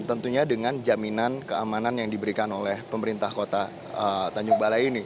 tentunya dengan jaminan keamanan yang diberikan oleh pemerintah kota tanjung balai ini